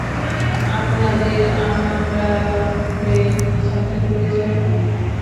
আপনাদের আমান্ডা ডনফ্রের সাথে পরিচয় হয়নি!